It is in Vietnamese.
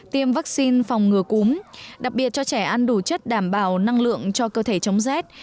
tiêm vaccine phòng ngừa cúm đặc biệt cho trẻ ăn đủ chất đảm bảo năng lượng cho cơ thể chống rét